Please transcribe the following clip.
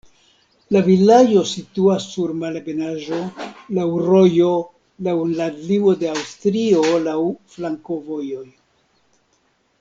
La vilaĝo situas sur malebenaĵo, laŭ rojo, laŭ landlimo de Aŭstrio, laŭ flankovojoj.